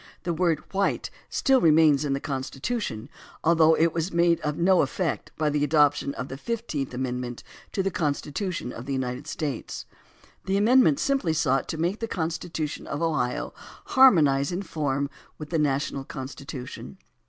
The word "white" still remains in the Constitution, although it was made of no effect by the adoption of the fifteenth amendment to the Constitution of the United States. The amendment simply sought to make the Constitution of Ohio harmonize in form with the national Constitution.